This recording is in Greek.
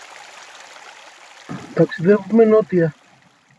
Ταξιδεύουμε νότια